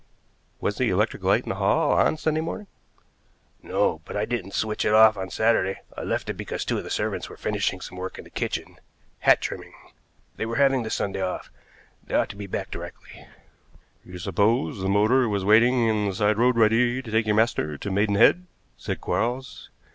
"Was the electric light on in the hall on Sunday morning?" "No; but I didn't switch it off on Saturday. I left it because two of the servants were finishing some work in the kitchen hat trimming. They were having the Sunday off. They ought to be back directly." "You supposed the motor was waiting in the side road ready to take your master to Maidenhead," said Quarles.